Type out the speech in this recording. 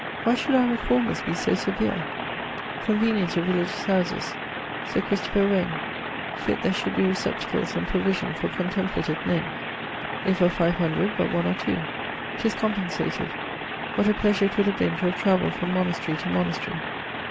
Why should our reformers be so severe? Convenience of religious houses Sir Christopher Wren fitt there should be receptacles and provision for contemplative men; if of 500, but one or two. 'Tis compensated. What a pleasure 'twould have been to have travelled from monastery to monastery.